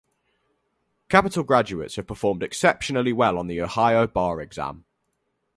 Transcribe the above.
Capital graduates have performed exceptionally well on the Ohio bar exam.